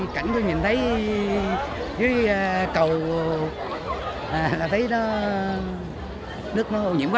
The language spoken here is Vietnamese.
cảnh tôi nhìn thấy dưới cầu là thấy nước nó ô nhiễm quá